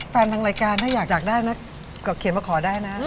แฟนทางรายการถ้าอยากจักรได้นะเคลียรมาขอได้นะ